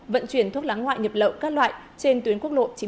vận chuyển thuốc láng ngoại nhập lậu các loại trên tuyến quốc lộ chín mươi một